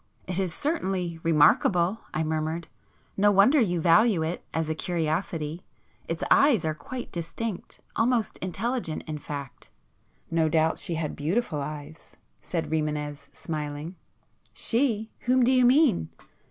"It is certainly remarkable,"—I murmured—"No wonder you value it,—as a curiosity. Its eyes are quite distinct, almost intelligent in fact." "No doubt she had beautiful eyes,"—said Rimânez smiling. "She? Whom do you mean?"